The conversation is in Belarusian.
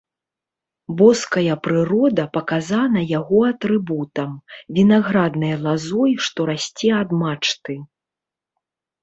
Боская прырода паказана яго атрыбутам, вінаграднай лазой, што расце ад мачты.